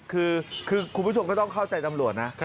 คือคุณผู้ชมก็ต้องเข้าใจตำรวจนะ